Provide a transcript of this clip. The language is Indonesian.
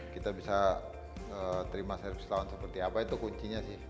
kita bisa terima servis tahun seperti apa itu kuncinya sih